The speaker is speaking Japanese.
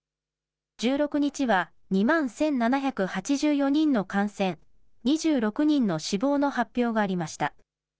１６日は２万１７８４人の感染、２６人の死亡の発表がありました。